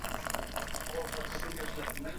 Imom Buxoriy bitta hadis eshitish